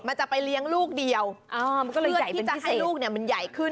จะไปเลี้ยงลูกเดียวเพื่อที่จะให้ลูกเนี่ยมันใหญ่ขึ้น